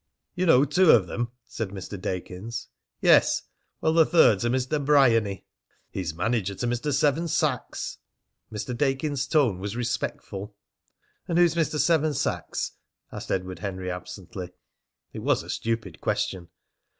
"You know two of them?" said Mr. Dakins. "Yes." "Well, the third's a Mr. Bryany. He's manager to Mr. Seven Sachs." Mr. Dakins' tone was respectful. "And who's Mr. Seven Sachs?" asked Edward Henry absently. It was a stupid question.